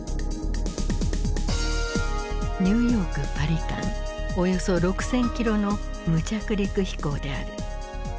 ニューヨーク・パリ間およそ６，０００キロの無着陸飛行である。